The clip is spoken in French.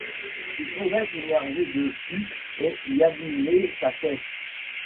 tu pourrais t'énerver dessus et y abîmer ta caisse.